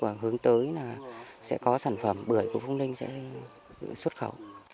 và hướng tới là sẽ có sản phẩm bưởi của phú ninh sẽ xuất khẩu